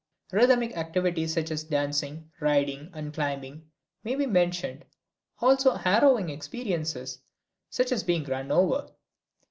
Rhythmic activities, such as dancing, riding and climbing may be mentioned, also harrowing experiences, such as being run over.